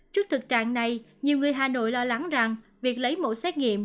trước thực trạng này nhiều người hà nội lo lắng rằng việc lấy mẫu xét nghiệm